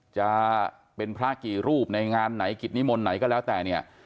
จะเป็นพระกี่รูปในงานไหนกิจนิมนต์ไหนก็แล้วแต่เนี่ย